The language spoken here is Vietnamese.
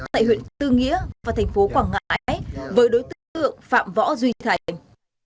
tại huyện tư nghĩa và thành phố quảng ngãi với đối tượng phạm võ duy thành